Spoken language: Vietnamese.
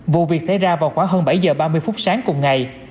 vụ việc xảy ra vào khoảng hơn bảy h ba mươi phút sáng cùng ngày